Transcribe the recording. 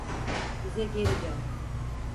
Bize geri dön.